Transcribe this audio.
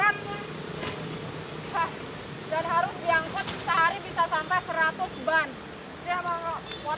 dan harus diangkut sehari bisa sampai seratus bahan